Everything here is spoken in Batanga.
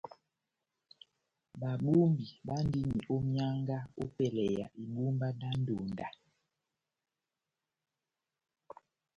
Babumbi bandini ó myánga ópɛlɛ ya ibumba dá ndonda.